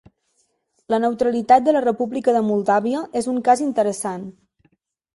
La neutralitat de la República de Moldàvia és un cas interessant.